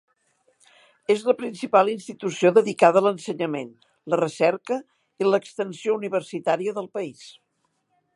És la principal institució dedicada a l'ensenyament, la recerca i l'extensió universitària del país.